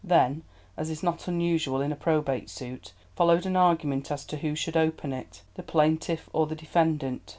Then, as is not unusual in a probate suit, followed an argument as to who should open it, the plaintiff or the defendant.